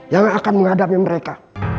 yang akan menghadapi mereka